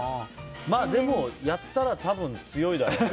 でも、やったら多分強いだろうね。